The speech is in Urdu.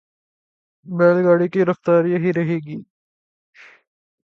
بیل گاڑی کی رفتار یہی رہے گی۔